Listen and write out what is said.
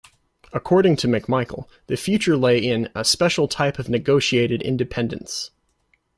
According to McMichael the future lay in "a special type of negotiated independence".